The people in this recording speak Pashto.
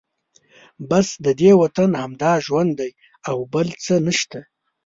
بس ددې وطن همدا ژوند دی او بل څه نشته.